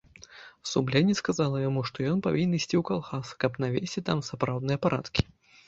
Сумленне сказала яму, што ён павінен ісці ў калгас, каб навесці там сапраўдныя парадкі.